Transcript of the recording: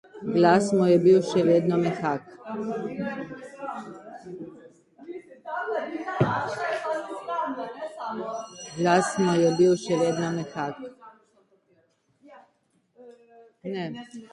Glas mu je bil še vedno mehak.